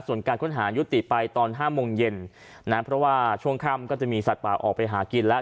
ส่วนการค้นหายุติไปตอน๕โมงเย็นนะเพราะว่าช่วงค่ำก็จะมีสัตว์ป่าออกไปหากินแล้ว